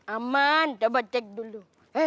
aman dapat cek dulu